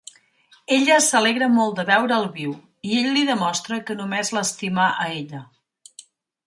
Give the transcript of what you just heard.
Ella s'alegra molt de veure'l viu, i ell li demostra que només l'estima a ella.